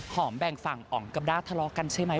แบ่งฝั่งอ๋องกับด้าทะเลาะกันใช่ไหม